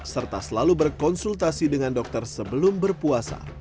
serta selalu berkonsultasi dengan dokter sebelum berpuasa